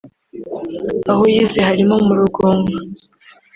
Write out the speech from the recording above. aho yize harimo mu Rugunga